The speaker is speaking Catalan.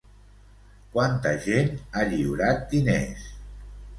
Quanta gent ha lliurat diners?